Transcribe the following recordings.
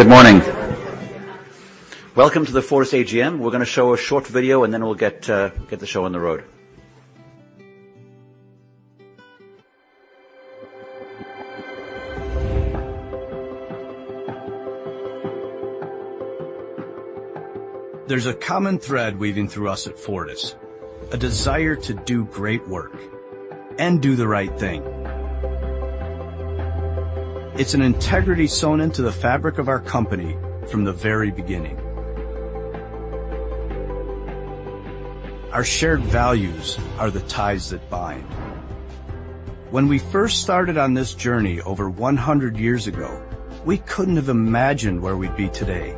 Good morning. Welcome to the Fortis AGM. We're going to show a short video, and then we'll get the show on the road. There's a common thread weaving through us at Fortis: a desire to do great work and do the right thing. It's an integrity sewn into the fabric of our company from the very beginning. Our shared values are the ties that bind. When we first started on this journey over 100 years ago, we couldn't have imagined where we'd be today.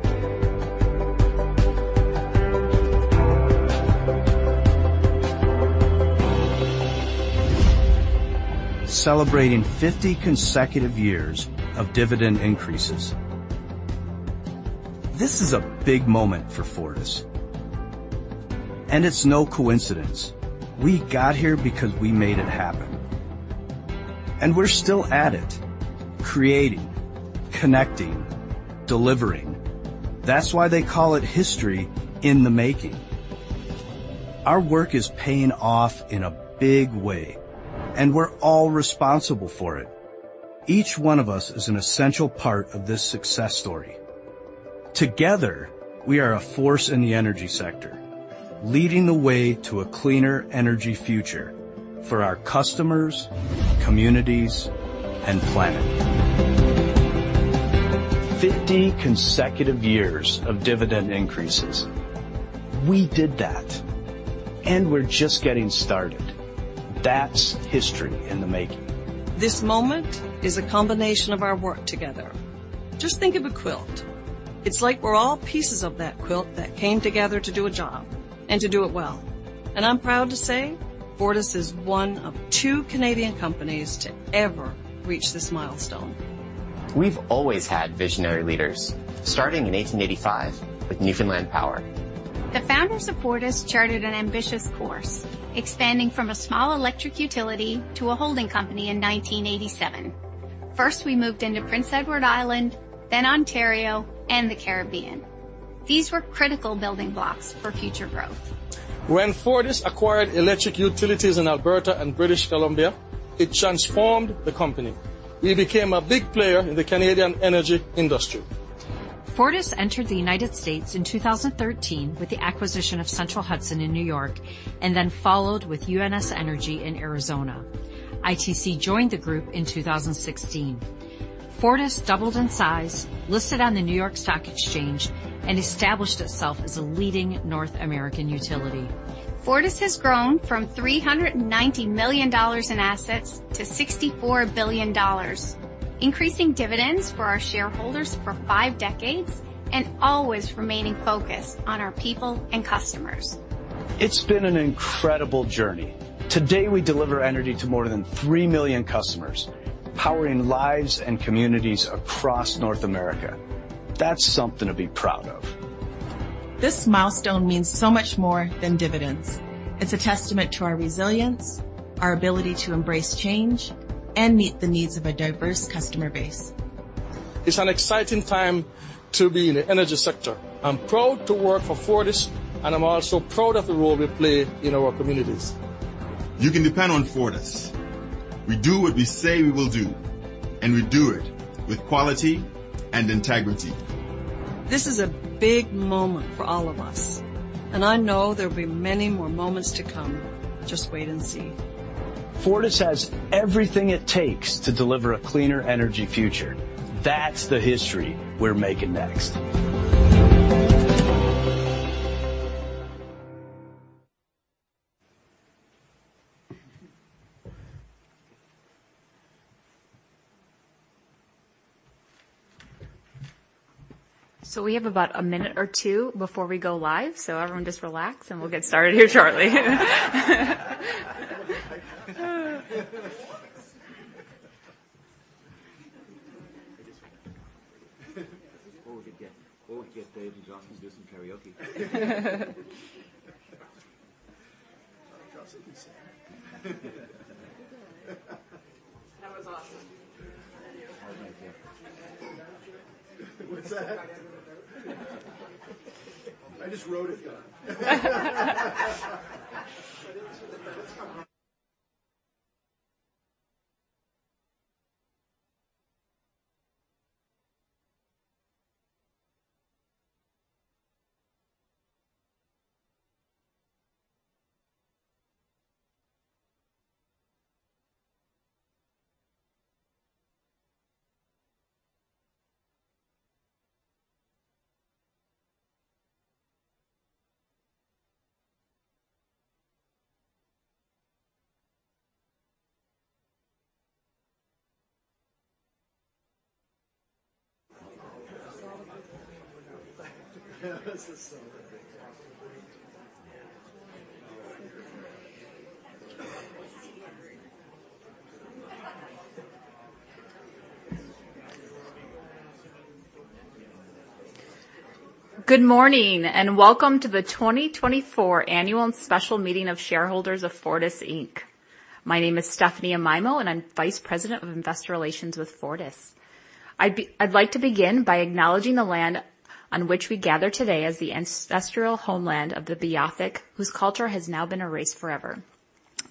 Celebrating 50 consecutive years of dividend increases. This is a big moment for Fortis, and it's no coincidence. We got here because we made it happen, and we're still at it, creating, connecting, delivering. That's why they call it history in the making. Our work is paying off in a big way, and we're all responsible for it. Each one of us is an essential part of this success story. Together, we are a force in the energy sector, leading the way to a cleaner energy future for our customers, communities, and planet. 50 consecutive years of dividend increases. We did that, and we're just getting started. That's history in the making. This moment is a combination of our work together. Just think of a quilt. It's like we're all pieces of that quilt that came together to do a job and to do it well. I'm proud to say, Fortis is one of two Canadian companies to ever reach this milestone. We've always had visionary leaders, starting in 1885 with Newfoundland Power. The founders of Fortis chartered an ambitious course, expanding from a small electric utility to a holding company in 1987. First, we moved into Prince Edward Island, then Ontario, and the Caribbean. These were critical building blocks for future growth. When Fortis acquired electric utilities in Alberta and British Columbia, it transformed the company. We became a big player in the Canadian energy industry. Fortis entered the United States in 2013 with the acquisition of Central Hudson in New York, and then followed with UNS Energy in Arizona. ITC joined the group in 2016. Fortis doubled in size, listed on the New York Stock Exchange, and established itself as a leading North American utility. Fortis has grown from 390 million dollars in assets to 64 billion dollars, increasing dividends for our shareholders for five decades and always remaining focused on our people and customers. It's been an incredible journey. Today, we deliver energy to more than 3 million customers, powering lives and communities across North America. That's something to be proud of. This milestone means so much more than dividends. It's a testament to our resilience, our ability to embrace change and meet the needs of a diverse customer base. It's an exciting time to be in the energy sector. I'm proud to work for Fortis, and I'm also proud of the role we play in our communities. You can depend on Fortis. We do what we say we will do, and we do it with quality and integrity. This is a big moment for all of us, and I know there'll be many more moments to come. Just wait and see. Fortis has everything it takes to deliver a cleaner energy future. That's the history we're making next. So we have about a minute or two before we go live, so everyone just relax, and we'll get started here shortly. Or we could get David Johnson to do some karaoke. Johnson would be sad. That was awesome. What's that? I just wrote it down. Good morning, and welcome to the 2024 Annual and Special Meeting of Shareholders of Fortis Inc. My name is Stephanie Amaimo, and I'm Vice President of Investor Relations with Fortis. I'd like to begin by acknowledging the land on which we gather today as the ancestral homeland of the Beothuk, whose culture has now been erased forever.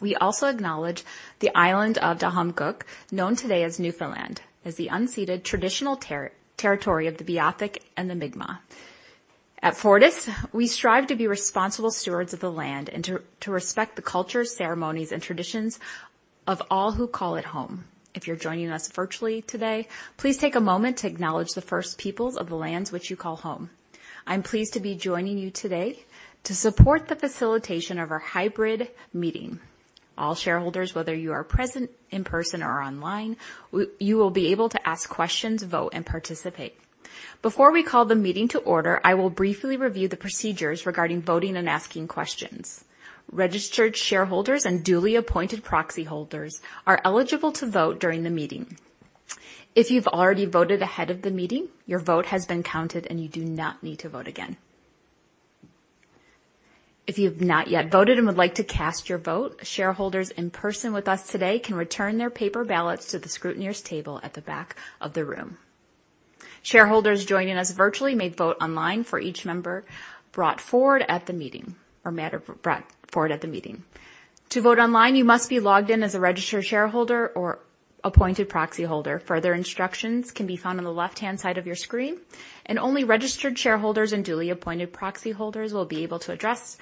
We also acknowledge the island of Ktaqmkuk, known today as Newfoundland, as the unceded traditional territory of the Beothuk and the Mi'kmaq. At Fortis, we strive to be responsible stewards of the land and to respect the cultures, ceremonies, and traditions of all who call it home. If you're joining us virtually today, please take a moment to acknowledge the First Peoples of the lands which you call home. I'm pleased to be joining you today to support the facilitation of our hybrid meeting. All shareholders, whether you are present in person or online, you will be able to ask questions, vote, and participate. Before we call the meeting to order, I will briefly review the procedures regarding voting and asking questions. Registered shareholders and duly appointed proxy holders are eligible to vote during the meeting. If you've already voted ahead of the meeting, your vote has been counted, and you do not need to vote again. If you've not yet voted and would like to cast your vote, shareholders in person with us today can return their paper ballots to the scrutineer's table at the back of the room. Shareholders joining us virtually may vote online for each member brought forward at the meeting or matter brought forward at the meeting. To vote online, you must be logged in as a registered shareholder or appointed proxy holder. Further instructions can be found on the left-hand side of your screen, and only registered shareholders and duly appointed proxy holders will be able to address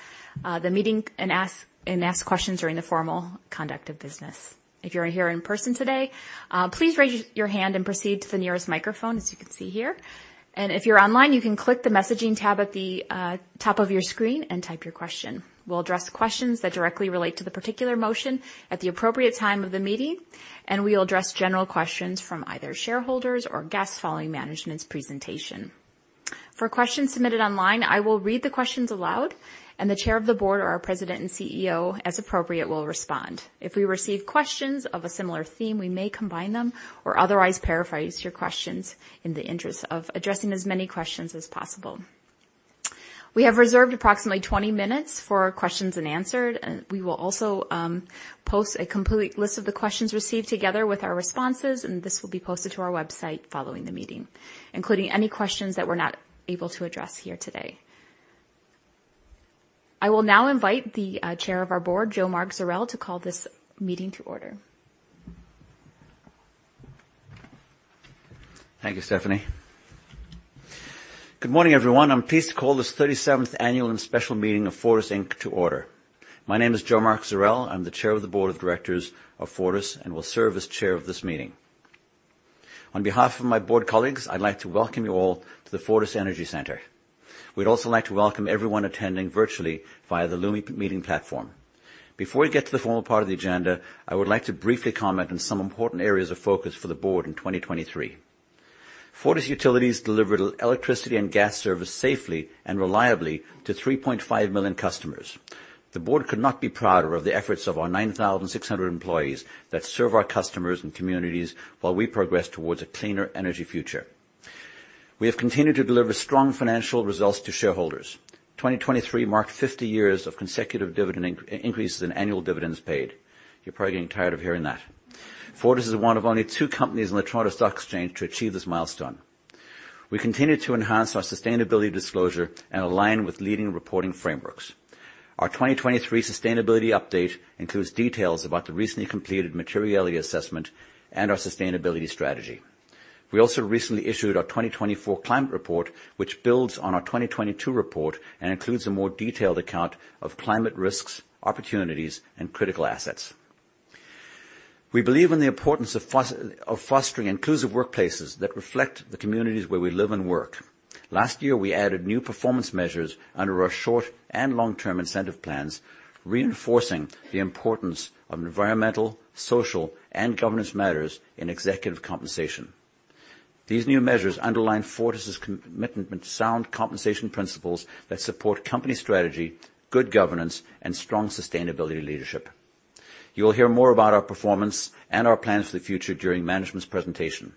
the meeting and ask questions during the formal conduct of business. If you're here in person today, please raise your hand and proceed to the nearest microphone, as you can see here. If you're online, you can click the messaging tab at the top of your screen and type your question. We'll address questions that directly relate to the particular motion at the appropriate time of the meeting, and we'll address general questions from either shareholders or guests following management's presentation. For questions submitted online, I will read the questions aloud, and the Chair of the Board or our President and CEO, as appropriate, will respond. If we receive questions of a similar theme, we may combine them or otherwise paraphrase your questions in the interest of addressing as many questions as possible. We have reserved approximately 20 minutes for questions and answered, and we will also post a complete list of the questions received together with our responses, and this will be posted to our website following the meeting, including any questions that we're not able to address here today. I will now invite the Chair of our board, Jo Mark Zurel, to call this meeting to order. Thank you, Stephanie. Good morning, everyone. I'm pleased to call this 37th annual and special meeting of Fortis Inc. to order. My name is Jo Mark Zurel. I'm the Chair of the Board of Directors of Fortis and will serve as chair of this meeting. On behalf of my board colleagues, I'd like to welcome you all to the Fortis Energy Centre. We'd also like to welcome everyone attending virtually via the Lumi Meeting platform. Before we get to the formal part of the agenda, I would like to briefly comment on some important areas of focus for the board in 2023. Fortis Utilities delivered electricity and gas service safely and reliably to 3.5 million customers. The board could not be prouder of the efforts of our 9,600 employees that serve our customers and communities while we progress towards a cleaner energy future. We have continued to deliver strong financial results to shareholders. 2023 marked 50 years of consecutive dividend increases in annual dividends paid. You're probably getting tired of hearing that. Fortis is one of only two companies on the Toronto Stock Exchange to achieve this milestone. We continue to enhance our sustainability disclosure and align with leading reporting frameworks. Our 2023 sustainability update includes details about the recently completed materiality assessment and our sustainability strategy. We also recently issued our 2024 climate report, which builds on our 2022 report and includes a more detailed account of climate risks, opportunities, and critical assets. We believe in the importance of fostering inclusive workplaces that reflect the communities where we live and work. Last year, we added new performance measures under our short- and long-term incentive plans, reinforcing the importance of environmental, social, and governance matters in executive compensation. These new measures underline Fortis's commitment to sound compensation principles that support company strategy, good governance, and strong sustainability leadership. You will hear more about our performance and our plans for the future during management's presentation.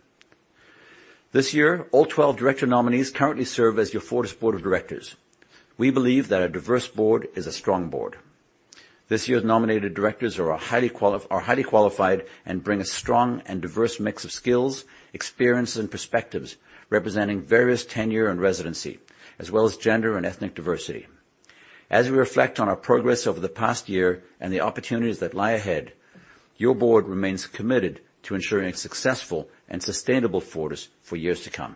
This year, all 12 director nominees currently serve as your Fortis Board of Directors. We believe that a diverse board is a strong board. This year's nominated directors are highly qualified and bring a strong and diverse mix of skills, experiences, and perspectives, representing various tenure and residency, as well as gender and ethnic diversity. As we reflect on our progress over the past year and the opportunities that lie ahead, your board remains committed to ensuring a successful and sustainable Fortis for years to come.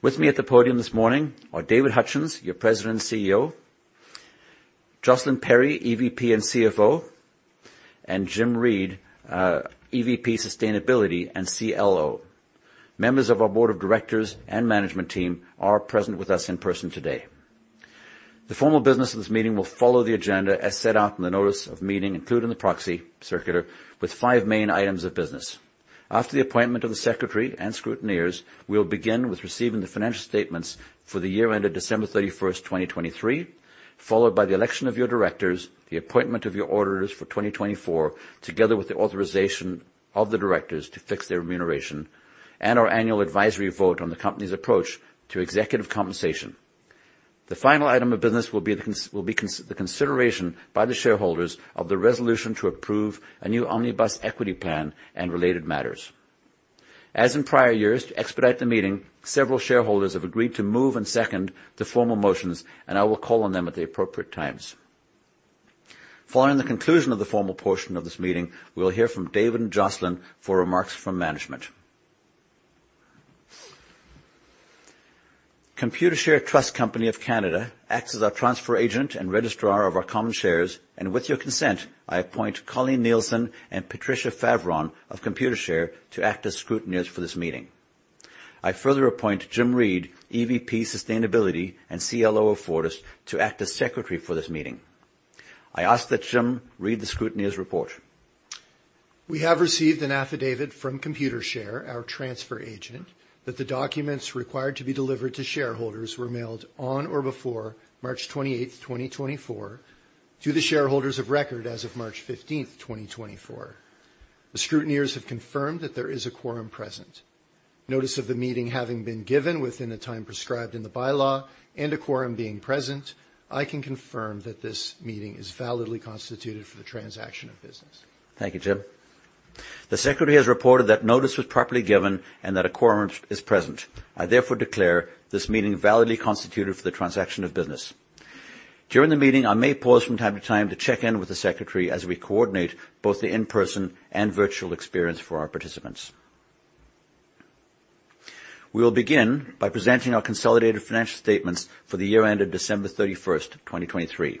With me at the podium this morning are David Hutchens, your President and CEO, Jocelyn Perry, EVP and CFO, and Jim Reid, EVP, Sustainability and CLO. Members of our board of directors and management team are present with us in person today. The formal business of this meeting will follow the agenda as set out in the notice of meeting, including the proxy circular, with five main items of business. After the appointment of the secretary and scrutineers, we will begin with receiving the financial statements for the year ended December 31, 2023, followed by the election of your directors, the appointment of your auditors for 2024, together with the authorization of the directors to fix their remuneration, and our annual advisory vote on the company's approach to executive compensation. The final item of business will be the consideration by the shareholders of the resolution to approve a new omnibus equity plan and related matters. As in prior years, to expedite the meeting, several shareholders have agreed to move and second the formal motions, and I will call on them at the appropriate times. Following the conclusion of the formal portion of this meeting, we'll hear from David and Jocelyn for remarks from management. Computershare Trust Company of Canada acts as our transfer agent and registrar of our common shares, and with your consent, I appoint Colleen Nielsen and Patricia Faveron of Computershare to act as scrutineers for this meeting. I further appoint Jim Reid, EVP Sustainability and CLO of Fortis, to act as secretary for this meeting. I ask that Jim read the scrutineer's report. We have received an affidavit from Computershare, our transfer agent, that the documents required to be delivered to shareholders were mailed on or before March 28th, 2024, to the shareholders of record as of March 15th, 2024. The scrutineers have confirmed that there is a quorum present. Notice of the meeting having been given within the time prescribed in the bylaw and a quorum being present, I can confirm that this meeting is validly constituted for the transaction of business. Thank you, Jim. The secretary has reported that notice was properly given and that a quorum is present. I therefore declare this meeting validly constituted for the transaction of business. During the meeting, I may pause from time to time to check in with the secretary as we coordinate both the in-person and virtual experience for our participants. We will begin by presenting our consolidated financial statements for the year ended December 31, 2023.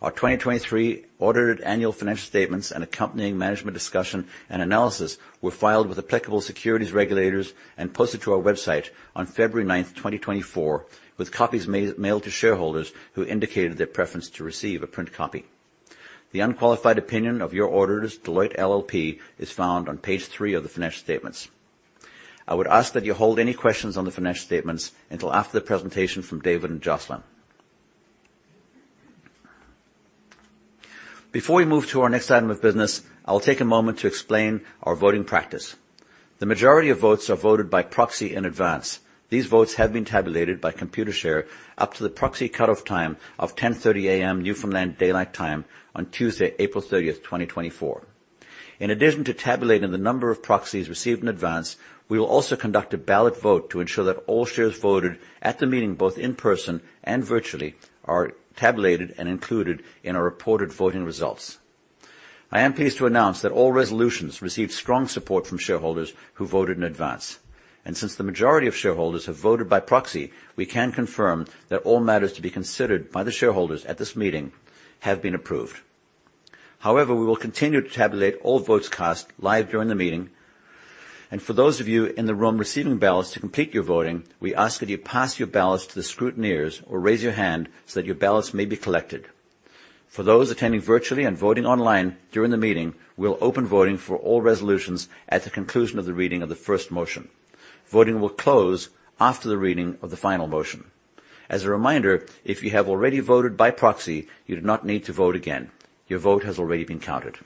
Our 2023 audited annual financial statements and accompanying Management Discussion and Analysis were filed with applicable securities regulators and posted to our website on February 9, 2024, with copies mailed to shareholders who indicated their preference to receive a print copy. The unqualified opinion of your auditors, Deloitte LLP, is found on page 3 of the financial statements. I would ask that you hold any questions on the financial statements until after the presentation from David and Jocelyn. Before we move to our next item of business, I will take a moment to explain our voting practice. The majority of votes are voted by proxy in advance. These votes have been tabulated by Computershare up to the proxy cutoff time of 10:30 A.M. Newfoundland Daylight Time on Tuesday, April 30, 2024. In addition to tabulating the number of proxies received in advance, we will also conduct a ballot vote to ensure that all shares voted at the meeting, both in person and virtually, are tabulated and included in our reported voting results. I am pleased to announce that all resolutions received strong support from shareholders who voted in advance, and since the majority of shareholders have voted by proxy, we can confirm that all matters to be considered by the shareholders at this meeting have been approved. However, we will continue to tabulate all votes cast live during the meeting, and for those of you in the room receiving ballots to complete your voting, we ask that you pass your ballots to the scrutineers or raise your hand so that your ballots may be collected. For those attending virtually and voting online during the meeting, we'll open voting for all resolutions at the conclusion of the reading of the first motion. Voting will close after the reading of the final motion. As a reminder, if you have already voted by proxy, you do not need to vote again. Your vote has already been counted.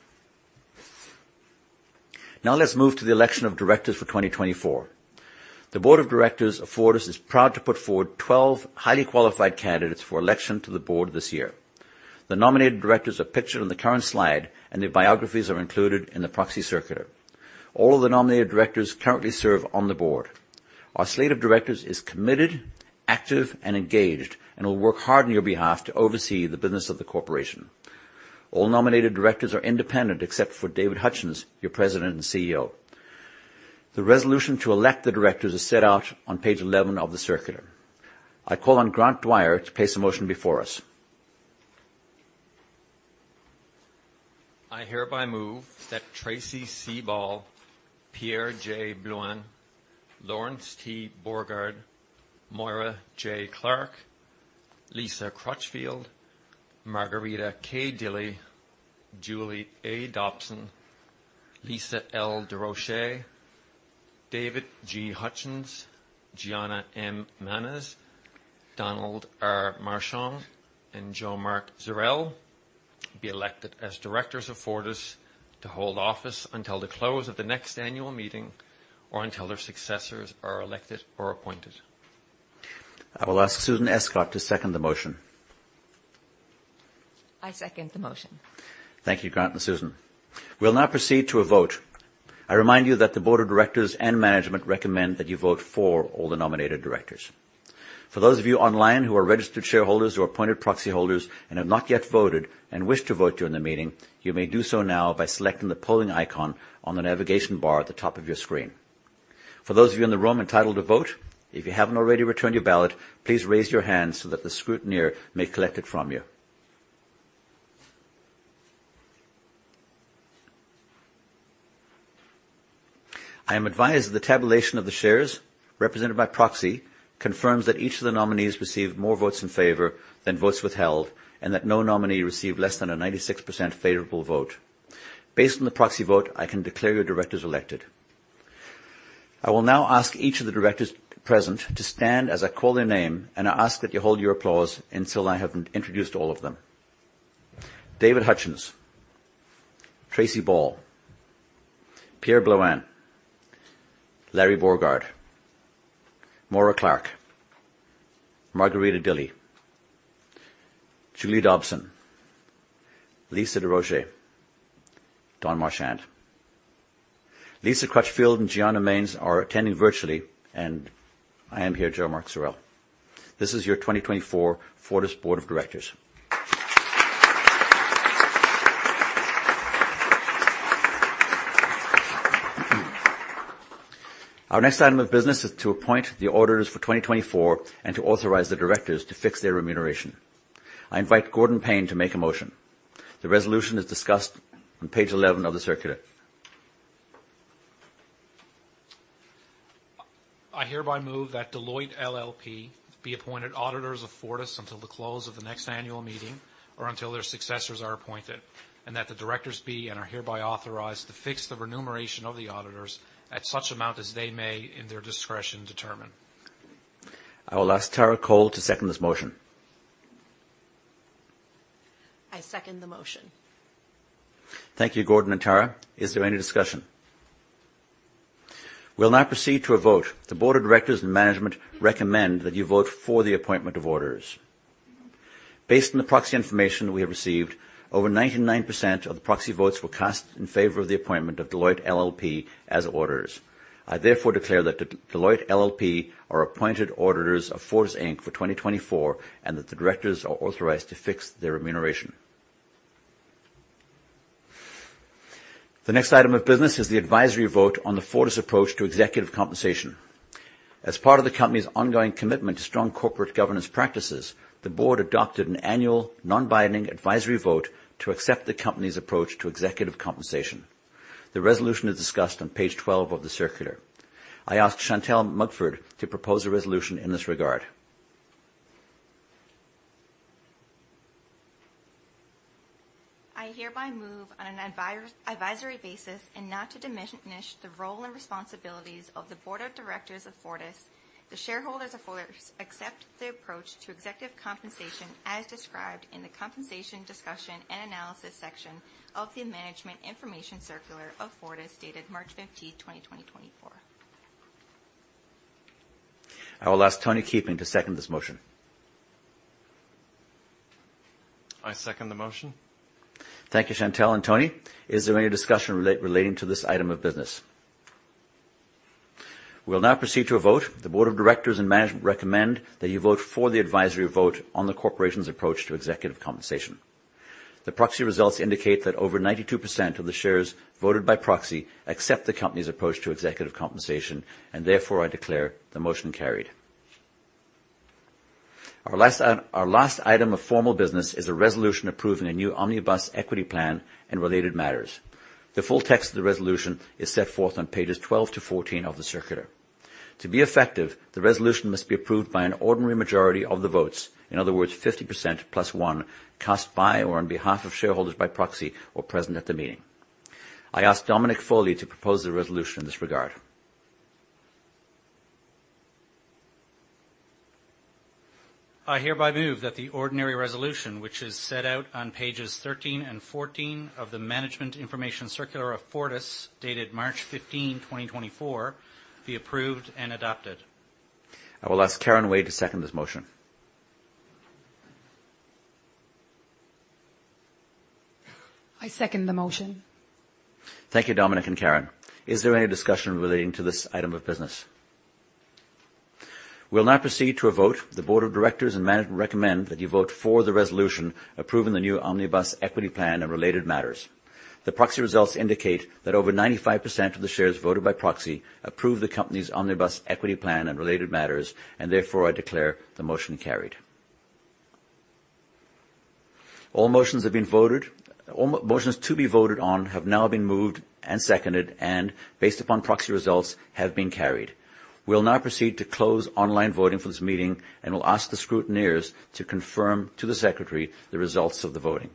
Now let's move to the election of directors for 2024. The Board of Directors of Fortis is proud to put forward 12 highly qualified candidates for election to the board this year. The nominated directors are pictured on the current slide, and their biographies are included in the proxy circular. All of the nominated directors currently serve on the board. Our slate of directors is committed, active, and engaged and will work hard on your behalf to oversee the business of the corporation. All nominated directors are independent, except for David Hutchens, your President and CEO. The resolution to elect the directors is set out on page 11 of the circular. I call on Grant Dwyer to place the motion before us. I hereby move that Tracey C. Ball, Pierre J. Blouin, Lawrence T. Borgard, Maura J. Clark, Lisa Crutchfield, Margarita K. Dilley, Julie A. Dobson, Lisa J. Drazen, David G. Hutchens, Giana M. Manes, Donald R. Marchand, and Jo Mark Zurel be elected as directors of Fortis to hold office until the close of the next annual meeting or until their successors are elected or appointed. I will ask Susan Escott to second the motion. I second the motion. Thank you, Grant and Susan. We'll now proceed to a vote. I remind you that the board of directors and management recommend that you vote for all the nominated directors. For those of you online who are registered shareholders or appointed proxy holders and have not yet voted and wish to vote during the meeting, you may do so now by selecting the polling icon on the navigation bar at the top of your screen. For those of you in the room entitled to vote, if you haven't already returned your ballot, please raise your hand so that the scrutineer may collect it from you. I am advised that the tabulation of the shares represented by proxy confirms that each of the nominees received more votes in favor than votes withheld, and that no nominee received less than a 96% favorable vote. Based on the proxy vote, I can declare your directors elected. I will now ask each of the directors present to stand as I call their name, and I ask that you hold your applause until I have introduced all of them. David Hutchens, Tracy Ball, Pierre Blouin, Lawrence Borgard, Maura Clark, Margarita Dilley, Julie Dobson, Lisa Drazen, Donald Marchand. Lisa Crutchfield and Giana Manes are attending virtually, and I am here, Jo Mark Zurel. This is your 2024 Fortis Board of Directors. Our next item of business is to appoint the auditors for 2024 and to authorize the directors to fix their remuneration. I invite Gordon Payne to make a motion. The resolution is discussed on page 11 of the circular. I hereby move that Deloitte LLP be appointed auditors of Fortis until the close of the next annual meeting or until their successors are appointed, and that the directors be, and are hereby authorized, to fix the remuneration of the auditors at such amount as they may, in their discretion, determine. I will ask Tara Cole to second this motion. I second the motion. Thank you, Gordon and Tara. Is there any discussion? We'll now proceed to a vote. The board of directors and management recommend that you vote for the appointment of auditors. Based on the proxy information we have received, over 99% of the proxy votes were cast in favor of the appointment of Deloitte LLP as auditors. I therefore declare that Deloitte LLP are appointed auditors of Fortis Inc. for 2024, and that the directors are authorized to fix their remuneration. The next item of business is the advisory vote on the Fortis approach to executive compensation. As part of the company's ongoing commitment to strong corporate governance practices, the board adopted an annual, non-binding advisory vote to accept the company's approach to executive compensation. The resolution is discussed on page 12 of the circular. I ask Chantelle Mugford to propose a resolution in this regard. I hereby move on an advisory basis and not to diminish the role and responsibilities of the board of directors of Fortis, the shareholders of Fortis accept the approach to executive compensation as described in the compensation discussion and analysis section of the Management Information Circular of Fortis, dated March 15, 2024. I will ask Tony Keeping to second this motion. I second the motion. Thank you, Chantelle and Tony. Is there any discussion relating to this item of business? We'll now proceed to a vote. The board of directors and management recommend that you vote for the advisory vote on the corporation's approach to executive compensation. The proxy results indicate that over 92% of the shares voted by proxy accept the company's approach to executive compensation, and therefore, I declare the motion carried. Our last item, our last item of formal business is a resolution approving a new omnibus equity plan and related matters. The full text of the resolution is set forth on pages 12 to 14 of the circular. To be effective, the resolution must be approved by an ordinary majority of the votes, in other words, 50% plus one, cast by or on behalf of shareholders by proxy or present at the meeting. I ask Dominic Foley to propose the resolution in this regard. I hereby move that the ordinary resolution, which is set out on pages 13 and 14 of the Management Information Circular of Fortis, dated March 15, 2024, be approved and adopted. I will ask Karen Wade to second this motion. I second the motion. Thank you, Dominic and Karen. Is there any discussion relating to this item of business? We'll now proceed to a vote. The board of directors and management recommend that you vote for the resolution approving the new omnibus equity plan and related matters. The proxy results indicate that over 95% of the shares voted by proxy approved the company's omnibus equity plan and related matters, and therefore, I declare the motion carried. All motions to be voted on have now been moved and seconded, and based upon proxy results, have been carried. We'll now proceed to close online voting for this meeting, and we'll ask the scrutineers to confirm to the secretary the results of the voting.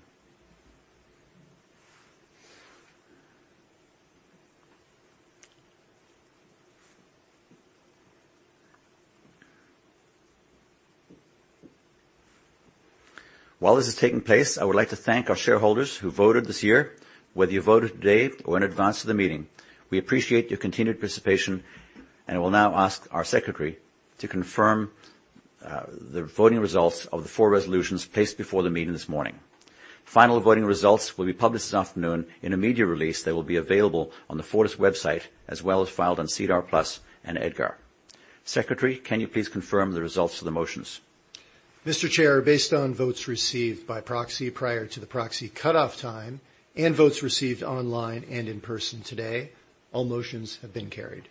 While this is taking place, I would like to thank our shareholders who voted this year. Whether you voted today or in advance of the meeting, we appreciate your continued participation, and will now ask our secretary to confirm the voting results of the four resolutions placed before the meeting this morning. Final voting results will be published this afternoon in a media release that will be available on the Fortis website, as well as filed on SEDAR+ and EDGAR. Secretary, can you please confirm the results of the motions? Mr. Chair, based on votes received by proxy prior to the proxy cutoff time and votes received online and in person today, all motions have been carried.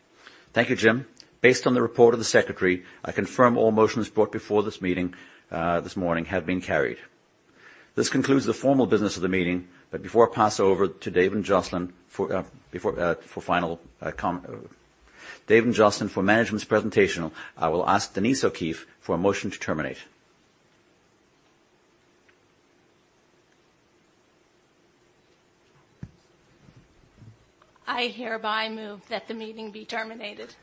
Thank you, Jim. Based on the report of the secretary, I confirm all motions brought before this meeting this morning have been carried. This concludes the formal business of the meeting, but before I pass over to Dave and Jocelyn for management's presentation, I will ask Denise O'Keefe for a motion to terminate. I hereby move that the meeting be terminated.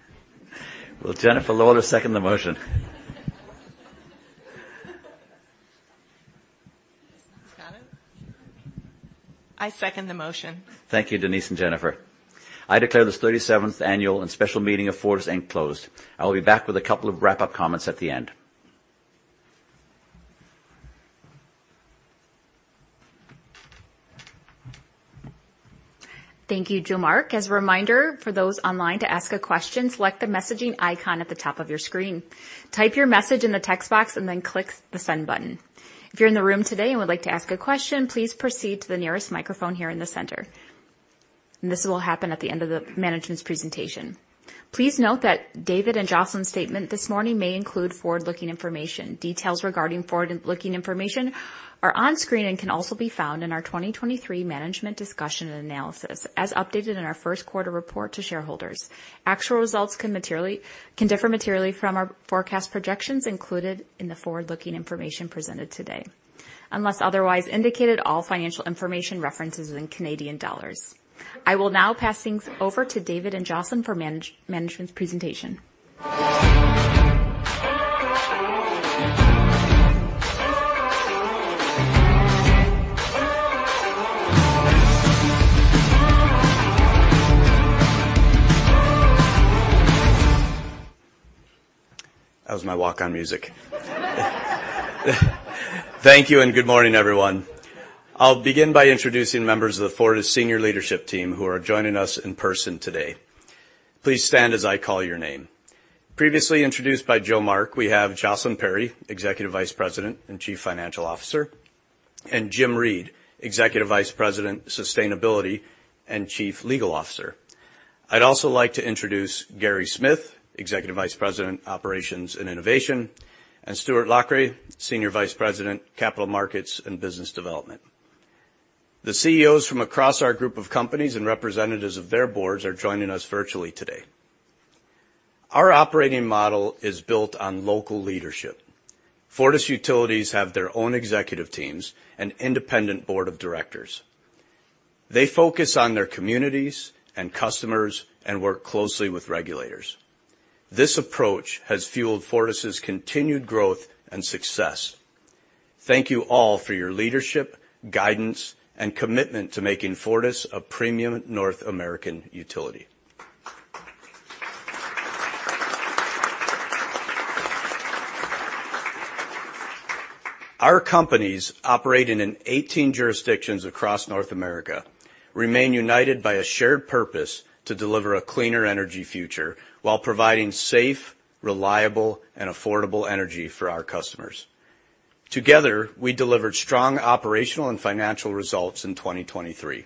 Will Jennifer Lowell second the motion?... I second the motion. Thank you, Denise and Jennifer. I declare this 37th Annual and Special Meeting of Fortis Inc. closed. I will be back with a couple of wrap-up comments at the end. Thank you, Jo Mark. As a reminder, for those online to ask a question, select the messaging icon at the top of your screen. Type your message in the text box and then click the Send button. If you're in the room today and would like to ask a question, please proceed to the nearest microphone here in the center. This will happen at the end of the management's presentation. Please note that David and Jocelyn's statement this morning may include forward-looking information. Details regarding forward-looking information are on screen and can also be found in our 2023 Management Discussion and Analysis, as updated in our first quarter report to shareholders. Actual results can differ materially from our forecast projections included in the forward-looking information presented today. Unless otherwise indicated, all financial information referenced is in Canadian dollars. I will now pass things over to David and Jocelyn for management's presentation. That was my walk-on music. Thank you, and good morning, everyone. I'll begin by introducing members of the Fortis Senior Leadership Team who are joining us in person today. Please stand as I call your name. Previously introduced by Jo Mark, we have Jocelyn Perry, Executive Vice President and Chief Financial Officer, and Jim Reid, Executive Vice President, Sustainability and Chief Legal Officer. I'd also like to introduce Gary Smith, Executive Vice President, Operations and Innovation, and Stuart Lochray, Senior Vice President, Capital Markets and Business Development. The CEOs from across our group of companies and representatives of their boards are joining us virtually today. Our operating model is built on local leadership. Fortis Utilities have their own executive teams and independent board of directors. They focus on their communities and customers and work closely with regulators. This approach has fueled Fortis's continued growth and success. Thank you all for your leadership, guidance, and commitment to making Fortis a premium North American utility. Our companies, operating in 18 jurisdictions across North America, remain united by a shared purpose to deliver a cleaner energy future while providing safe, reliable, and affordable energy for our customers. Together, we delivered strong operational and financial results in 2023.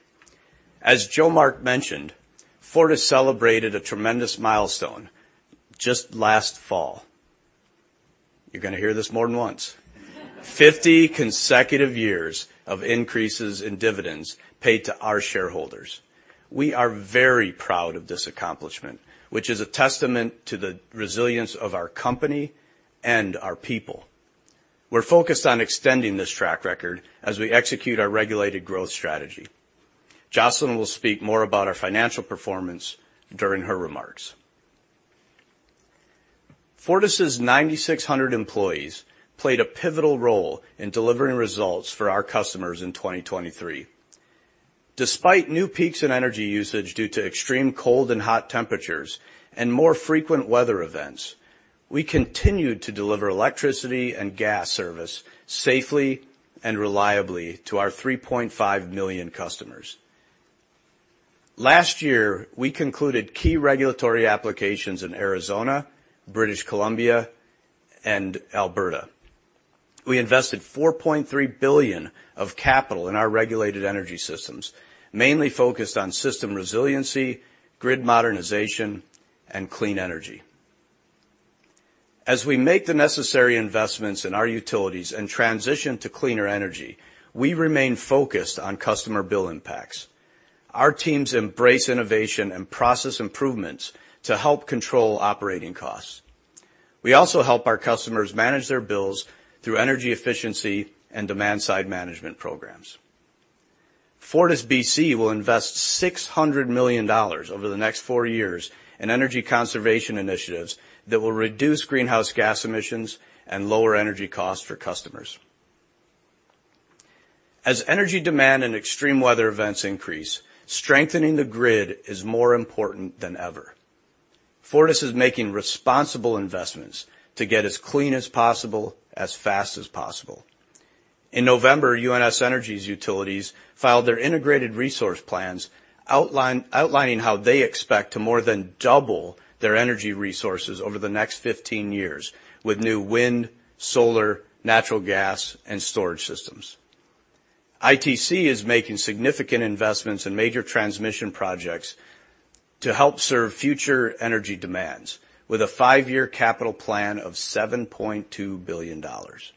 As Jo Mark Zurel mentioned, Fortis celebrated a tremendous milestone just last fall. You're going to hear this more than once. 50 consecutive years of increases in dividends paid to our shareholders. We are very proud of this accomplishment, which is a testament to the resilience of our company and our people. We're focused on extending this track record as we execute our regulated growth strategy. Jocelyn will speak more about our financial performance during her remarks. Fortis's 9,600 employees played a pivotal role in delivering results for our customers in 2023. Despite new peaks in energy usage due to extreme cold and hot temperatures and more frequent weather events, we continued to deliver electricity and gas service safely and reliably to our 3.5 million customers. Last year, we concluded key regulatory applications in Arizona, British Columbia, and Alberta. We invested 4.3 billion of capital in our regulated energy systems, mainly focused on system resiliency, grid modernization, and clean energy. As we make the necessary investments in our utilities and transition to cleaner energy, we remain focused on customer bill impacts. Our teams embrace innovation and process improvements to help control operating costs. We also help our customers manage their bills through energy efficiency and demand-side management programs. FortisBC will invest 600 million dollars over the next 4 years in energy conservation initiatives that will reduce greenhouse gas emissions and lower energy costs for customers. As energy demand and extreme weather events increase, strengthening the grid is more important than ever. Fortis is making responsible investments to get as clean as possible, as fast as possible. In November, UNS Energy's utilities filed their Integrated Resource Plans, outlining how they expect to more than double their energy resources over the next 15 years with new wind, solar, natural gas, and storage systems. ITC is making significant investments in major transmission projects to help serve future energy demands with a 5-year capital plan of 7.2 billion dollars.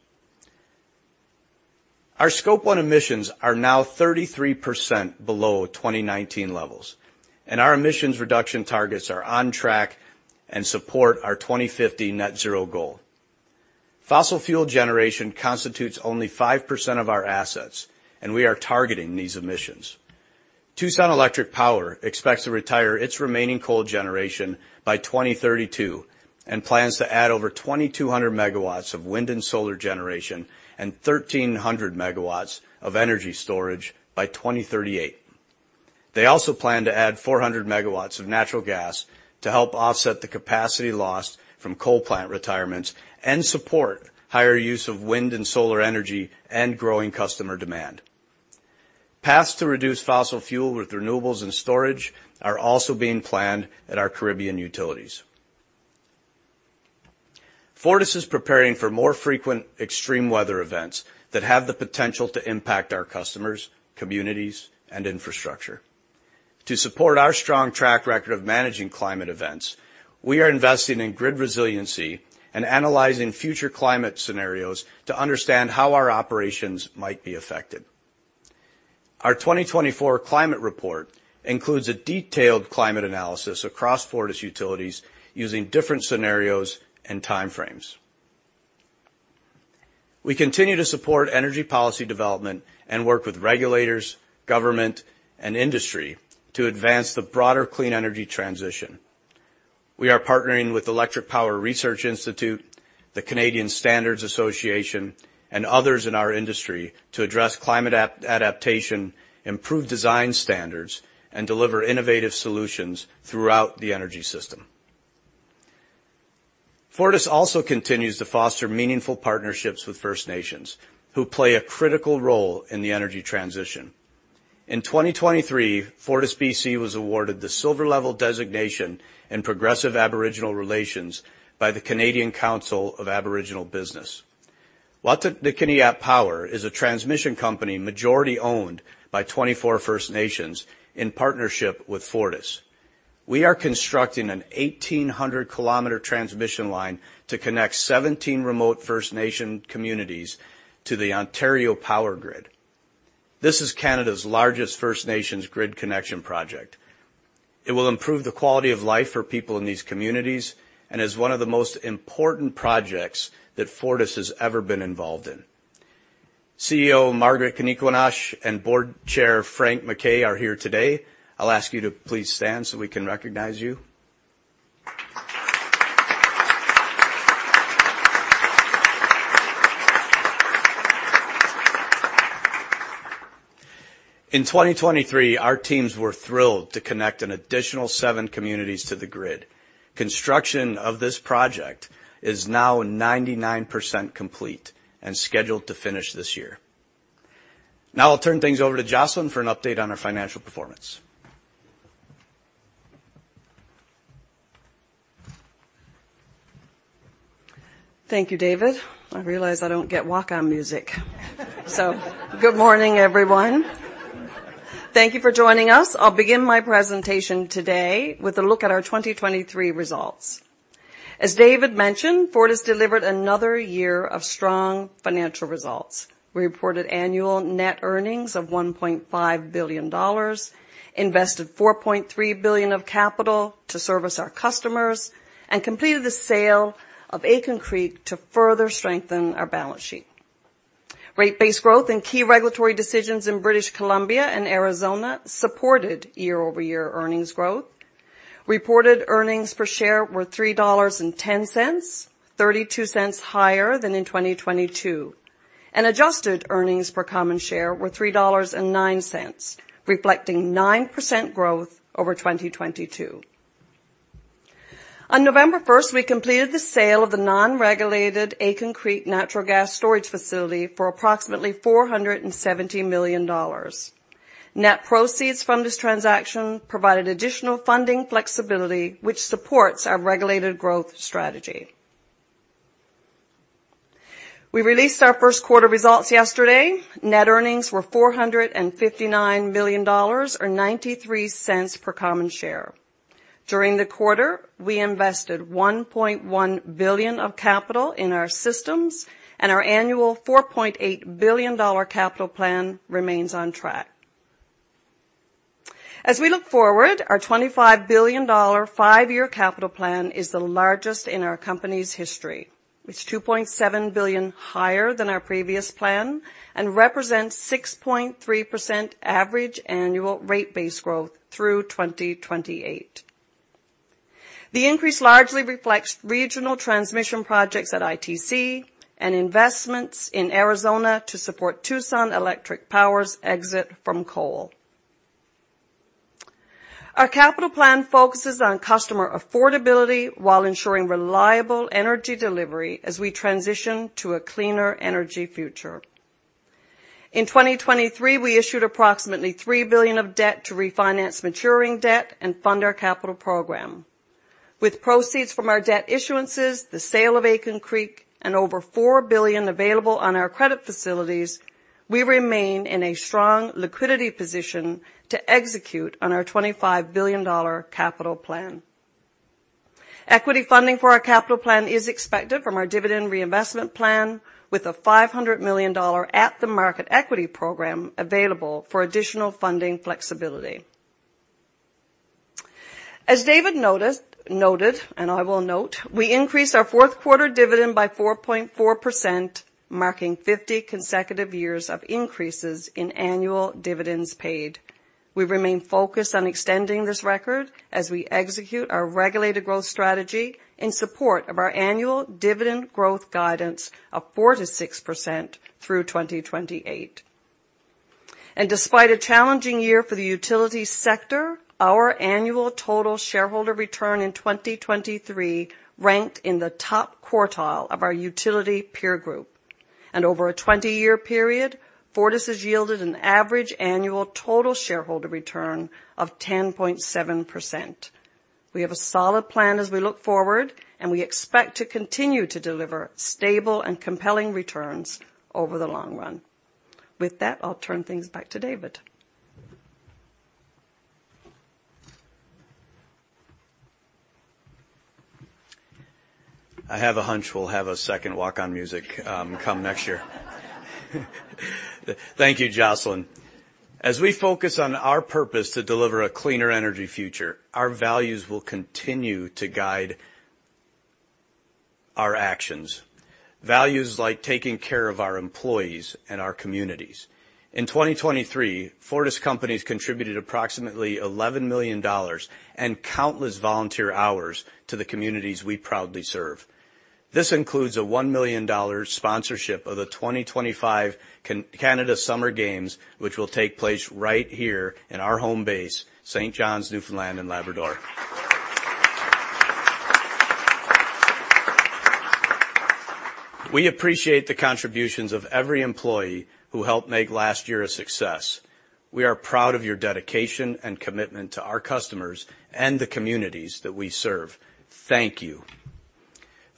Our Scope 1 emissions are now 33% below 2019 levels, and our emissions reduction targets are on track and support our 2050 net zero goal. Fossil fuel generation constitutes only 5% of our assets, and we are targeting these emissions. Tucson Electric Power expects to retire its remaining coal generation by 2032, and plans to add over 2,200 megawatts of wind and solar generation and 1,300 megawatts of energy storage by 2038. They also plan to add 400 megawatts of natural gas to help offset the capacity lost from coal plant retirements and support higher use of wind and solar energy and growing customer demand. Paths to reduce fossil fuel with renewables and storage are also being planned at our Caribbean utilities. Fortis is preparing for more frequent extreme weather events that have the potential to impact our customers, communities, and infrastructure. To support our strong track record of managing climate events, we are investing in grid resiliency and analyzing future climate scenarios to understand how our operations might be affected. Our 2024 climate report includes a detailed climate analysis across Fortis Utilities using different scenarios and timeframes. We continue to support energy policy development and work with regulators, government, and industry to advance the broader clean energy transition. We are partnering with Electric Power Research Institute, the Canadian Standards Association, and others in our industry to address climate adaptation, improve design standards, and deliver innovative solutions throughout the energy system. Fortis also continues to foster meaningful partnerships with First Nations, who play a critical role in the energy transition. In 2023, FortisBC was awarded the Silver Level Designation in Progressive Aboriginal Relations by the Canadian Council of Aboriginal Business. Wataynikaneyap Power is a transmission company, majority owned by 24 First Nations in partnership with Fortis. We are constructing an 1,800 kilometer transmission line to connect 17 remote First Nation communities to the Ontario power grid. This is Canada's largest First Nations grid connection project. It will improve the quality of life for people in these communities and is one of the most important projects that Fortis has ever been involved in. CEO Margaret Kenequanash and Board Chair Frank McKay are here today. I'll ask you to please stand so we can recognize you. In 2023, our teams were thrilled to connect an additional 7 communities to the grid. Construction of this project is now 99% complete and scheduled to finish this year. Now I'll turn things over to Jocelyn for an update on our financial performance. Thank you, David. I realize I don't get walk-on music. So good morning, everyone. Thank you for joining us. I'll begin my presentation today with a look at our 2023 results. As David mentioned, Fortis delivered another year of strong financial results. We reported annual net earnings of 1.5 billion dollars, invested 4.3 billion of capital to service our customers, and completed the sale of Aitken Creek to further strengthen our balance sheet. Rate-based growth and key regulatory decisions in British Columbia and Arizona supported year-over-year earnings growth. Reported earnings per share were 3.10 dollars, 0.32 higher than in 2022. Adjusted earnings per common share were 3.09 dollars, reflecting 9% growth over 2022. On November first, we completed the sale of the non-regulated Aitken Creek natural gas storage facility for approximately 470 million dollars. Net proceeds from this transaction provided additional funding flexibility, which supports our regulated growth strategy. We released our first quarter results yesterday. Net earnings were 459 million dollars, or 0.93 per common share. During the quarter, we invested 1.1 billion of capital in our systems, and our annual 4.8 billion dollar capital plan remains on track. As we look forward, our 25 billion dollar five-year capital plan is the largest in our company's history. It's 2.7 billion higher than our previous plan and represents 6.3% average annual rate-based growth through 2028. The increase largely reflects regional transmission projects at ITC and investments in Arizona to support Tucson Electric Power's exit from coal. Our capital plan focuses on customer affordability while ensuring reliable energy delivery as we transition to a cleaner energy future. In 2023, we issued approximately 3 billion of debt to refinance maturing debt and fund our capital program. With proceeds from our debt issuances, the sale of Aitken Creek, and over 4 billion available on our credit facilities, we remain in a strong liquidity position to execute on our 25 billion dollar capital plan. Equity funding for our capital plan is expected from our dividend reinvestment plan, with a 500 million dollar at-the-market equity program available for additional funding flexibility.... As David noticed—noted, and I will note, we increased our fourth quarter dividend by 4.4%, marking 50 consecutive years of increases in annual dividends paid. We remain focused on extending this record as we execute our regulated growth strategy in support of our annual dividend growth guidance of 4%-6% through 2028. Despite a challenging year for the utility sector, our annual total shareholder return in 2023 ranked in the top quartile of our utility peer group. Over a 20-year period, Fortis has yielded an average annual total shareholder return of 10.7%. We have a solid plan as we look forward, and we expect to continue to deliver stable and compelling returns over the long run. With that, I'll turn things back to David. I have a hunch we'll have a second walk-on music come next year. Thank you, Jocelyn. As we focus on our purpose to deliver a cleaner energy future, our values will continue to guide our actions, values like taking care of our employees and our communities. In 2023, Fortis companies contributed approximately 11 million dollars and countless volunteer hours to the communities we proudly serve. This includes a 1 million dollar sponsorship of the 2025 Canada Summer Games, which will take place right here in our home base, St. John's, Newfoundland and Labrador. We appreciate the contributions of every employee who helped make last year a success. We are proud of your dedication and commitment to our customers and the communities that we serve. Thank you.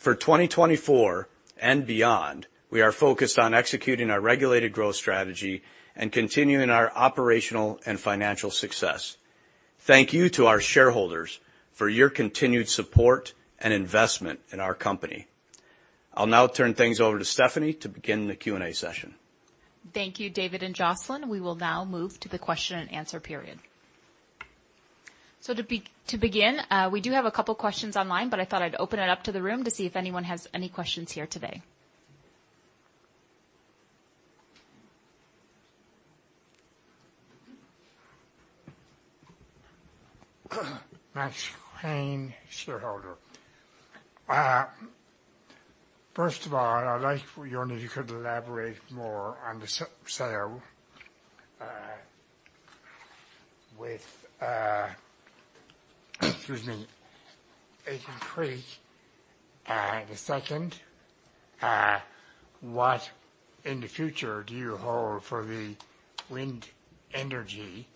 For 2024 and beyond, we are focused on executing our regulated growth strategy and continuing our operational and financial success. Thank you to our shareholders for your continued support and investment in our company. I'll now turn things over to Stephanie to begin the Q&A session. Thank you, David and Jocelyn. We will now move to the question and answer period. So, to begin, we do have a couple of questions online, but I thought I'd open it up to the room to see if anyone has any questions here today. Max Kean, shareholder. First of all, I'd like for you only if you could elaborate more on the sale, with, excuse me, Aitken Creek. The second, what in the future do you hold for the wind energy,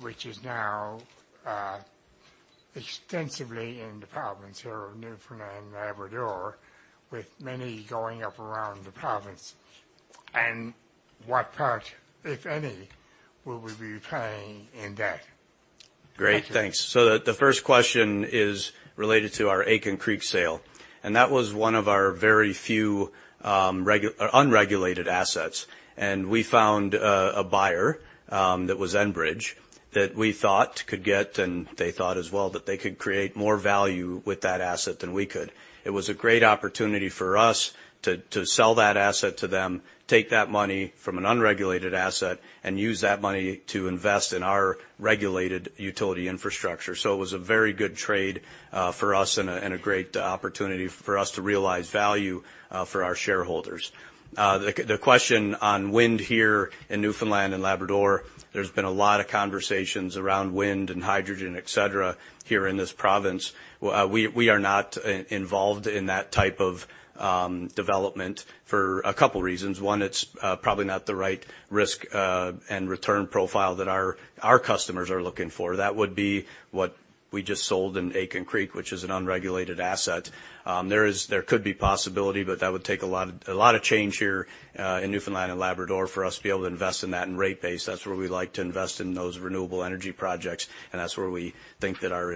which is now, extensively in the province here of Newfoundland and Labrador, with many going up around the province? And what part, if any, will we be playing in that? Great, thanks. So the first question is related to our Aitken Creek sale, and that was one of our very few regulated assets, and we found a buyer that was Enbridge, that we thought could get, and they thought as well, that they could create more value with that asset than we could. It was a great opportunity for us to sell that asset to them, take that money from an unregulated asset, and use that money to invest in our regulated utility infrastructure. So it was a very good trade for us and a great opportunity for us to realize value for our shareholders. The question on wind here in Newfoundland and Labrador, there's been a lot of conversations around wind and hydrogen, et cetera, here in this province. Well, we are not involved in that type of development for a couple of reasons. One, it's probably not the right risk and return profile that our customers are looking for. That would be what we just sold in Aitken Creek, which is an unregulated asset. There could be possibility, but that would take a lot of change here in Newfoundland and Labrador for us to be able to invest in that and rate base. That's where we like to invest in those renewable energy projects, and that's where we think that our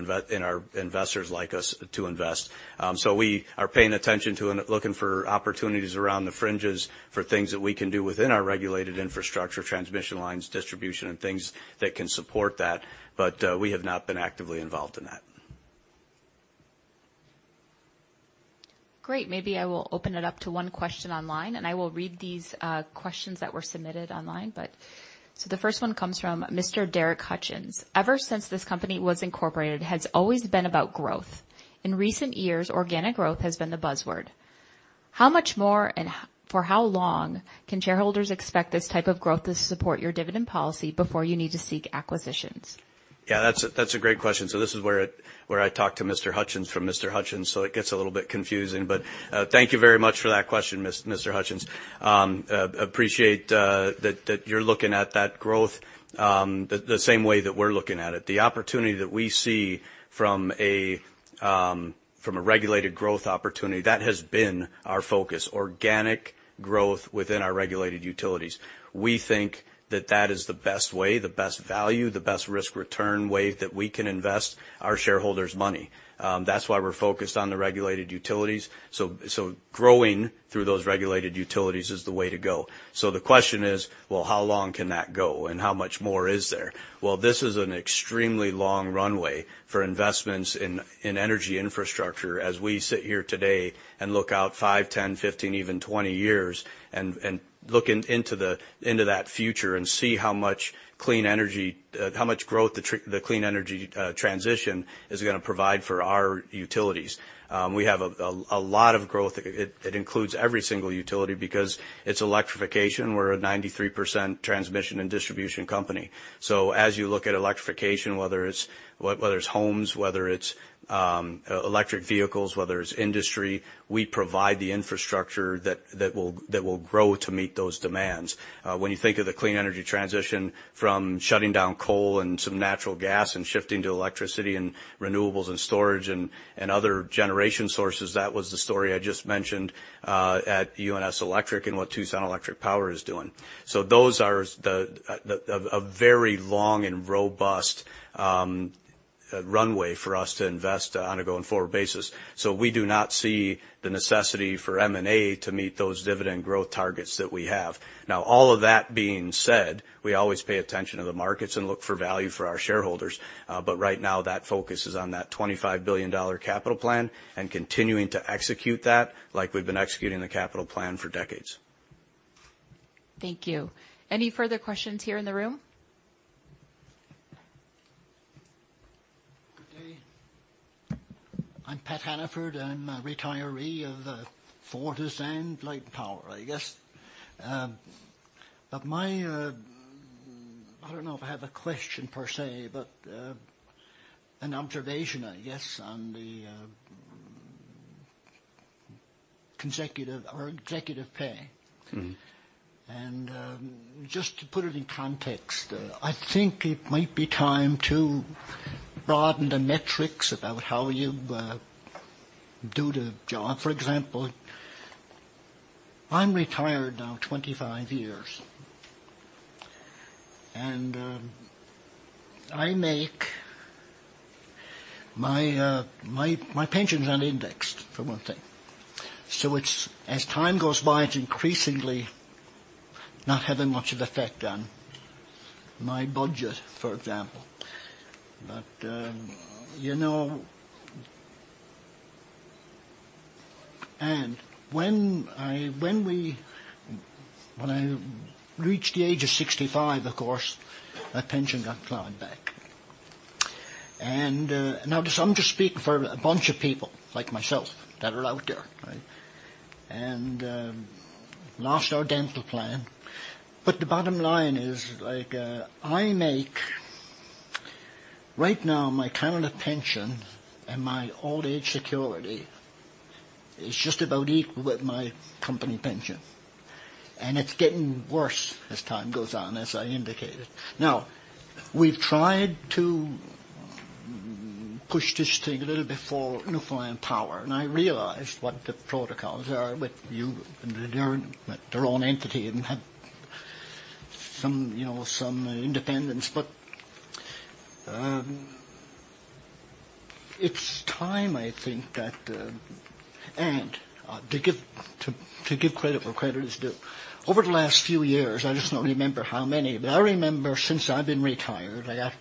investors like us to invest. So we are paying attention to and looking for opportunities around the fringes for things that we can do within our regulated infrastructure, transmission lines, distribution, and things that can support that. But, we have not been actively involved in that. Great. Maybe I will open it up to one question online, and I will read these questions that were submitted online, but... So the first one comes from Mr. Derek Hutchens. "Ever since this company was incorporated, it has always been about growth. In recent years, organic growth has been the buzzword.... How much more and for how long can shareholders expect this type of growth to support your dividend policy before you need to seek acquisitions? Yeah, that's a great question. So this is where it, where I talk to Mr. Hutchens from Mr. Hutchens, so it gets a little bit confusing. But thank you very much for that question, Mr. Hutchens. Appreciate that you're looking at that growth the same way that we're looking at it. The opportunity that we see from a regulated growth opportunity, that has been our focus, organic growth within our regulated utilities. We think that that is the best way, the best value, the best risk-return way that we can invest our shareholders' money. That's why we're focused on the regulated utilities. So growing through those regulated utilities is the way to go. So the question is, well, how long can that go, and how much more is there? Well, this is an extremely long runway for investments in energy infrastructure as we sit here today and look out 5, 10, 15, even 20 years, and looking into that future and see how much clean energy—how much growth the clean energy transition is gonna provide for our utilities. We have a lot of growth. It includes every single utility because it's electrification, we're a 93% transmission and distribution company. So as you look at electrification, whether it's homes, whether it's electric vehicles, whether it's industry, we provide the infrastructure that will grow to meet those demands. When you think of the clean energy transition from shutting down coal and some natural gas and shifting to electricity and renewables and storage and other generation sources, that was the story I just mentioned at UNS Energy and what Tucson Electric Power is doing. So those are a very long and robust runway for us to invest on a going-forward basis. So we do not see the necessity for M&A to meet those dividend growth targets that we have. Now, all of that being said, we always pay attention to the markets and look for value for our shareholders. But right now, that focus is on that 25 billion dollar capital plan and continuing to execute that like we've been executing the capital plan for decades. Thank you. Any further questions here in the room? Good day. I'm Pat Hannaford, I'm a retiree of the Newfoundland Power, I guess. I don't know if I have a question per se, but an observation, I guess, on the executive pay. And, just to put it in context, I think it might be time to broaden the metrics about how you do the job. For example, I'm retired now 25 years, and I make my pension's unindexed, for one thing. So it's, as time goes by, it's increasingly not having much of effect on my budget, for example. But, you know... And when I reached the age of 65, of course, my pension got clawed back. And, now, so I'm just speaking for a bunch of people like myself that are out there, right? And, lost our dental plan. But the bottom line is, like, I make... Right now, my current pension and my old age security is just about equal with my company pension, and it's getting worse as time goes on, as I indicated. Now, we've tried to push this thing a little bit for Newfoundland Power, and I realize what the protocols are with you, and they're own entity and have some, you know, some independence. But, it's time, I think, that... And, to give credit where credit is due, over the last few years, I just don't remember how many, but I remember since I've been retired, I got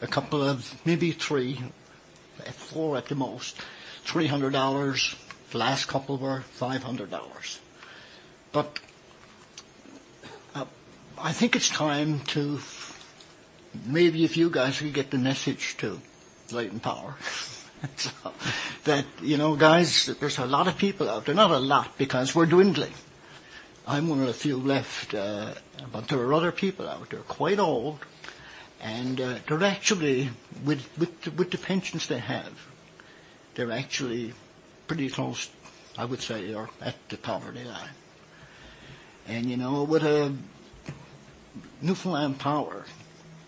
a couple of, maybe three, four at the most, 300 dollars. The last couple were 500 dollars. But, I think it's time to maybe if you guys could get the message to Light and Power, so that, you know, guys, there's a lot of people out there, not a lot, because we're dwindling. I'm one of the few left, but there are other people out there, quite old, and they're actually with the pensions they have, they're actually pretty close, I would say, or at the poverty line. And, you know, with Newfoundland Power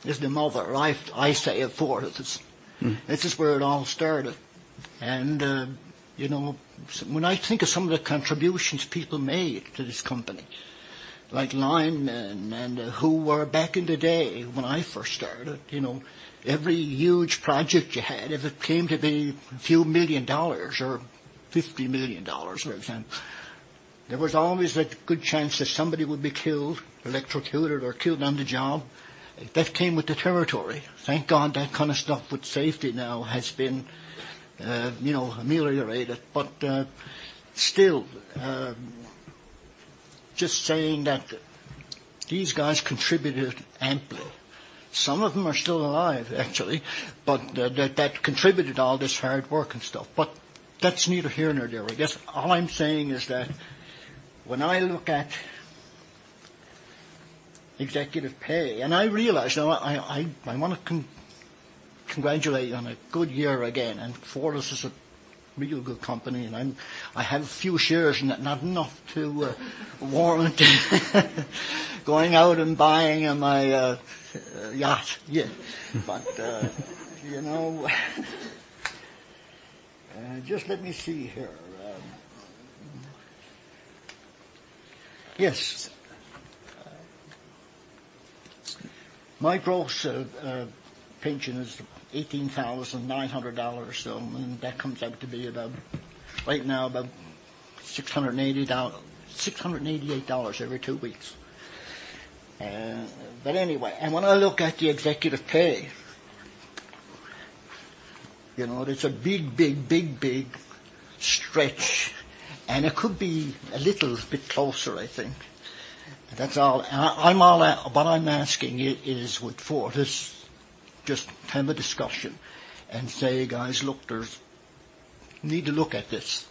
is the mother, I say, of Fortis. This is where it all started. And, you know, when I think of some of the contributions people made to this company, like linemen and who were back in the day when I first started, you know, every huge project you had, if it came to be a few million dollars or 50 million dollars, for example, there was always a good chance that somebody would be killed, electrocuted, or killed on the job. That came with the territory. Thank God, that kind of stuff with safety now has been, you know, ameliorated. But, still, just saying that these guys contributed amply. Some of them are still alive, actually, but that contributed all this hard work and stuff, but that's neither here nor there. I guess all I'm saying is that when I look at executive pay, and I realize now I want to congratulate you on a good year again, and Fortis is a real good company, and I have a few shares, not enough to warrant going out and buying my yacht. Yeah. But you know, just let me see here. Yes. My gross pension is 18,900 dollars, so, and that comes out to be about, right now, about 688 dollars every two weeks. But anyway, and when I look at the executive pay, you know, it's a big, big, big, big stretch, and it could be a little bit closer, I think. That's all. And what I'm asking is with Fortis, just have a discussion and say: "Guys, look, there's... We need to look at this."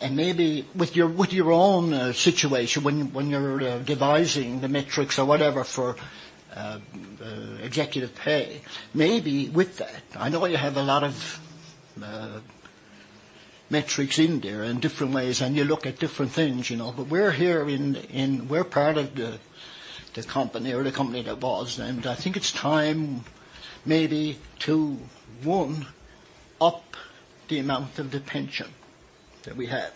And maybe with your own situation, when you're devising the metrics or whatever for executive pay, maybe with that. I know you have a lot of metrics in there and different ways, and you look at different things, you know, but we're here. We're part of the company or the company that was, and I think it's time maybe to up the amount of the pension that we have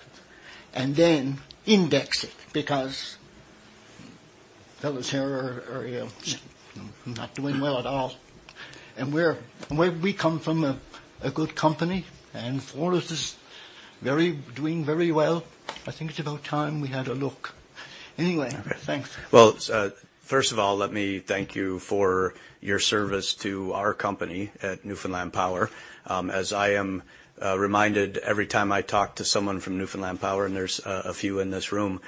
and then index it, because fellows here are not doing well at all. And we come from a good company, and Fortis is doing very well. I think it's about time we had a look. Anyway, thanks. Well, first of all, let me thank you for your service to our company at Newfoundland Power. As I am reminded every time I talk to someone from Newfoundland Power, and there's a few in this room,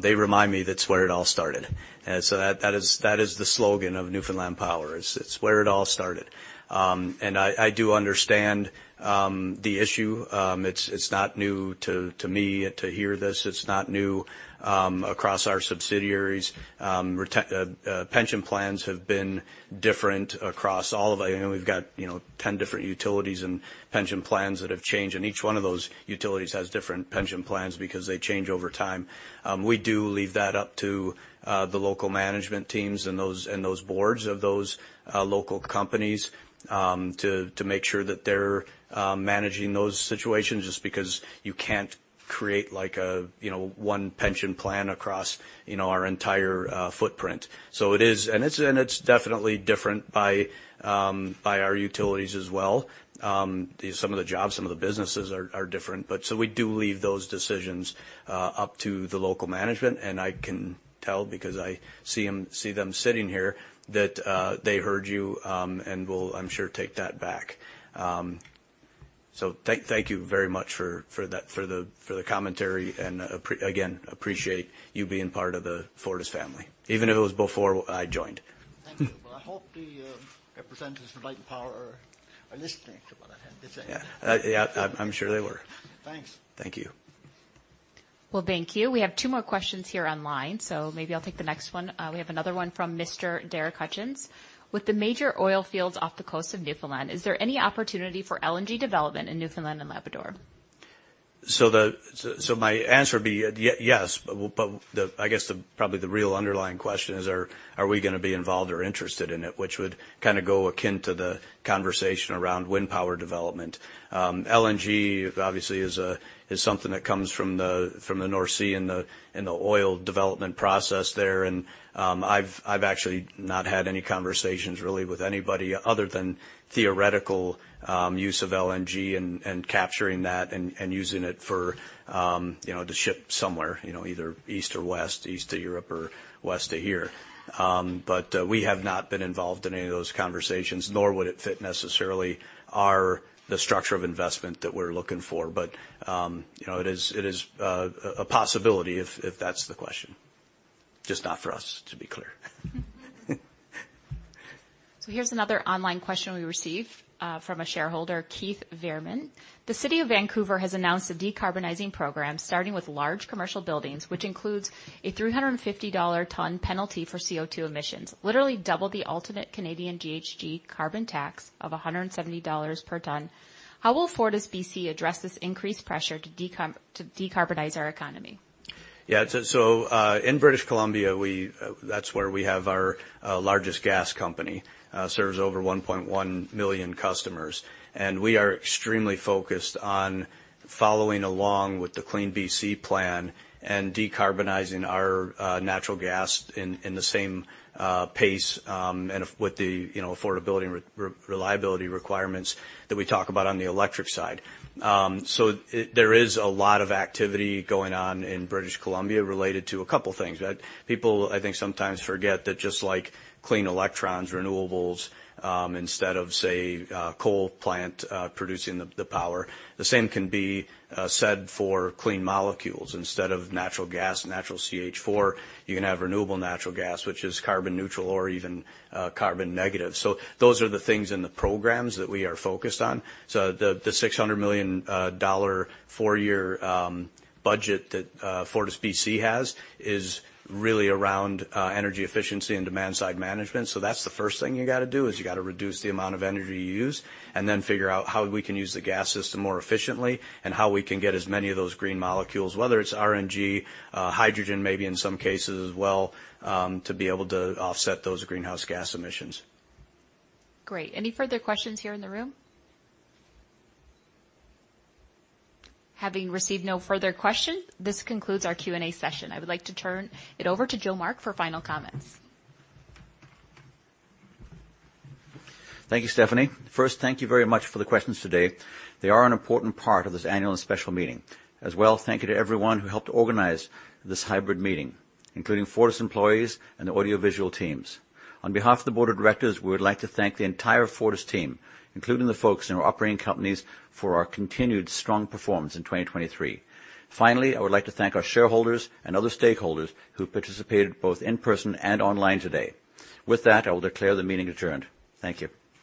they remind me that's where it all started. And so that, that is, that is the slogan of Newfoundland Power. It's where it all started. And I do understand the issue. It's not new to me to hear this. It's not new across our subsidiaries. Pension plans have been different across all of... I know we've got, you know, 10 different utilities and pension plans that have changed, and each one of those utilities has different pension plans because they change over time. We do leave that up to the local management teams and those boards of those local companies to make sure that they're managing those situations just because you can't create like a, you know, one pension plan across, you know, our entire footprint. So it is, and it's definitely different by our utilities as well. Some of the jobs, some of the businesses are different, but so we do leave those decisions up to the local management, and I can tell, because I see them sitting here, that they heard you and will, I'm sure, take that back. So, thank you very much for that, for the commentary, and again, appreciate you being part of the Fortis family, even if it was before I joined. Thank you. Well, I hope the representatives from Newfoundland Power are listening to what I have to say. Yeah. Yeah, I'm sure they were. Thanks. Thank you. Well, thank you. We have two more questions here online, so maybe I'll take the next one. We have another one for Mr. David Hutchens: With the major oil fields off the coast of Newfoundland, is there any opportunity for LNG development in Newfoundland and Labrador? So, my answer would be yes, but I guess probably the real underlying question is, are we gonna be involved or interested in it? Which would kind of go akin to the conversation around wind power development. LNG obviously is something that comes from the North Sea and the oil development process there, and I've actually not had any conversations really with anybody other than theoretical use of LNG and capturing that and using it for, you know, to ship somewhere, you know, either east or west, east to Europe or west to here. But we have not been involved in any of those conversations, nor would it fit necessarily our the structure of investment that we're looking for. You know, it is a possibility if that's the question. Just not for us, to be clear. So here's another online question we received from a shareholder, Keith Veerman. The City of Vancouver has announced a decarbonizing program, starting with large commercial buildings, which includes a CAD 350/tonne penalty for CO2 emissions, literally double the ultimate Canadian GHG carbon tax of CAD 170 per tonne. How will FortisBC address this increased pressure to decarbonize our economy? Yeah, so, in British Columbia, we, that's where we have our, largest gas company. Serves over 1.1 million customers, and we are extremely focused on following along with the CleanBC plan and decarbonizing our, natural gas in, in the same, pace, and with the, you know, affordability and re- reliability requirements that we talk about on the electric side. So there is a lot of activity going on in British Columbia related to a couple things. That people, I think, sometimes forget that just like clean electrons, renewables, instead of, say, a coal plant, producing the power, the same can be, said for clean molecules. Instead of natural gas, natural gas (CH4), you can have renewable natural gas, which is carbon neutral or even, carbon negative. So those are the things in the programs that we are focused on. So the 600 million dollar four-year budget that FortisBC has is really around energy efficiency and demand-side management. So that's the first thing you gotta do, is you gotta reduce the amount of energy you use, and then figure out how we can use the gas system more efficiently and how we can get as many of those green molecules, whether it's RNG, hydrogen, maybe in some cases as well, to be able to offset those greenhouse gas emissions. Great. Any further questions here in the room? Having received no further questions, this concludes our Q&A session. I would like to turn it over to Jo Mark Zurel for final comments. Thank you, Stephanie. First, thank you very much for the questions today. They are an important part of this annual and special meeting. As well, thank you to everyone who helped organize this hybrid meeting, including Fortis employees and the audiovisual teams. On behalf of the board of directors, we would like to thank the entire Fortis team, including the folks in our operating companies, for our continued strong performance in 2023. Finally, I would like to thank our shareholders and other stakeholders who participated both in person and online today. With that, I will declare the meeting adjourned. Thank you.